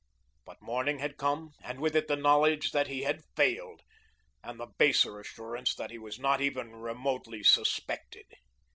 But morning had come, and with it the knowledge that he had failed, and the baser assurance that he was not even remotely suspected.